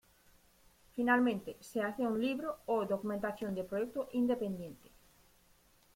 Finalmente, se hace un libro o documentación de proyecto independiente.